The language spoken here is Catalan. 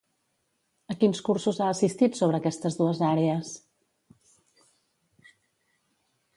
A quins cursos ha assistit sobre aquestes dues àrees?